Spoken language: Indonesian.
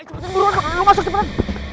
ayo cepetan buruan masuk cepetan